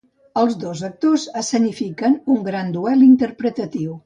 Els dos actors escenifiquen un gran duel interpretatiu.